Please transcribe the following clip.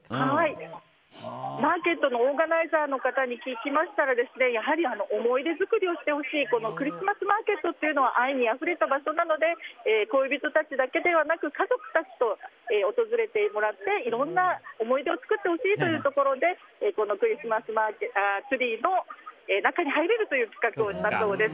マーケットのオーガナイザーに聞きましたらやはり思い出作りをしてほしいクリスマスマーケットというのは愛にあふれた場所なので恋人たちだけでなく家族たちと訪れてもらいいろんな思い出を作ってほしいというところでこのツリーの中に入れるという企画をしたそうです。